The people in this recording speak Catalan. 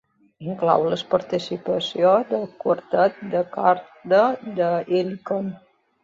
Inclou la participació del quartet de corda Helicon.